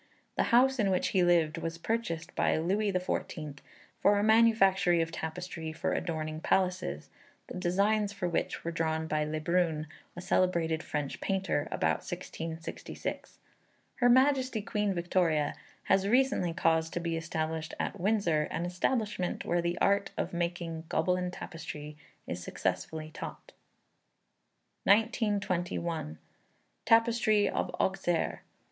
The house in which he lived was purchased by Louis XIV for a manufactory of tapestry for adorning palaces, the designs for which were drawn by Le Brun, a celebrated French painter, about 1666. Her Majesty Queen Victoria has recently caused to be established at Windsor, an establishment where the art of making "Gobelin Tapestry" is successfully taught. 1921. Tapestry of Auxerre.